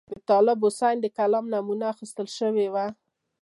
د طالب حسین د کلام نمونه اخیستل شوې وه.